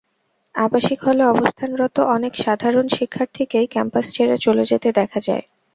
আবাসিক হলে অবস্থানরত অনেক সাধারণ শিক্ষার্থীকেই ক্যাম্পাস ছেড়ে চলে যেতে দেখা যায়।